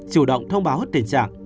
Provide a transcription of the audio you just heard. chủ động thông báo hết tình trạng